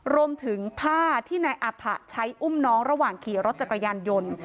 รวมถึงผ้าที่นายอาผะใช้อุ้มน้องระหว่างขี่รถจักรยานยนต์